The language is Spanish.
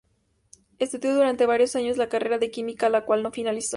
Estudió durante varios años la carrera de química la cual no finalizó.